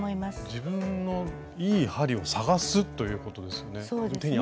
自分のいい針を探すということですね。